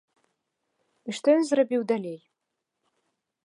І што ён зрабіў далей?